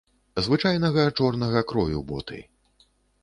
Звычайнага чорнага крою боты.